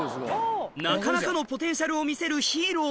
なかなかのポテンシャルを見せるヒーロー